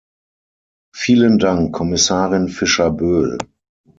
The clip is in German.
Vielen Dank Kommissarin Fischer Boel.